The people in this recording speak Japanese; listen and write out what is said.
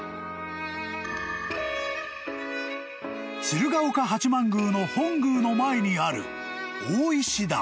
［鶴岡八幡宮の本宮の前にある大石段］